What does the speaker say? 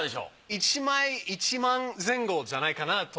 １枚１万前後じゃないかなと。